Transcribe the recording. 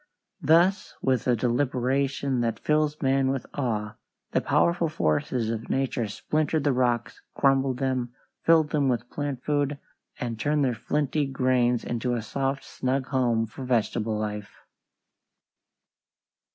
Thus with a deliberation that fills man with awe, the powerful forces of nature splintered the rocks, crumbled them, filled them with plant food, and turned their flinty grains into a soft, snug home for vegetable life.